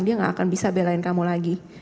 dia gak akan bisa belain kamu lagi